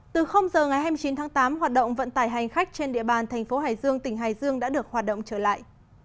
từ giờ ngày hai mươi chín tháng tám hoạt động vận tải hành khách trên địa bàn thành phố hải dương tỉnh hải dương đã được hoạt động trở lại